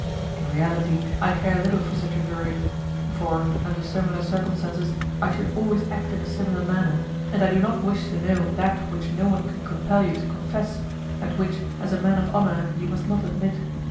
In reality I care little for such a verdict, for, under similar circumstances, I should always act in a similar manner, and I do not wish to know that which no one can compel you to confess, and which, as a man of honour, you must not admit.